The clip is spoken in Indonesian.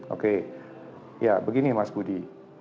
oke ya begini mas budi